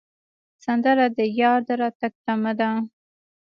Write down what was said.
سندره د یار د راتګ تمه ده